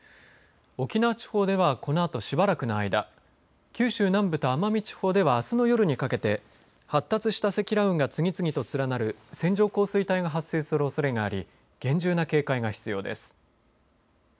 沖縄地方ではこのあとしばらくの間九州南部と奄美地方ではあすの夜にかけて発達した積乱雲が次々と連なる線状降水帯が発生するおそれがあり厳重な警戒が必要です。